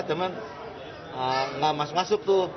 cuman nggak masuk masuk tuh